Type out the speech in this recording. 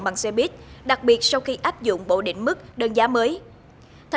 bằng xe buýt đặc biệt sau khi áp dụng bộ định mức đơn giá mới